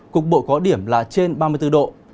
cục bộ có điểm là trên ba mươi bốn độ